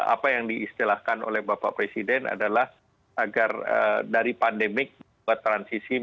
apa yang diistilahkan oleh bapak presiden adalah agar dari pandemik buat transisi